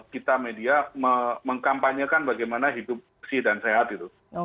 kita media mengkampanyekan bagaimana hidup bersih dan sehat gitu